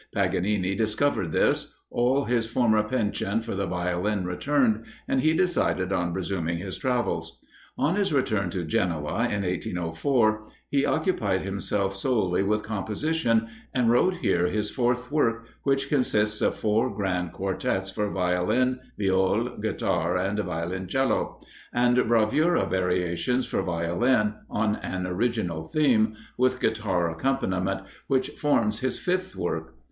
Paganini discovered this; all his former penchant for the Violin returned, and he decided on resuming his travels. On his return to Genoa, in 1804, he occupied himself solely with composition, and wrote here his fourth work which consists of four grand quartetts for Violin, Viol, Guitar, and Violoncello; and bravura variations for Violin, on an original theme, with Guitar accompaniment, which forms his fifth work.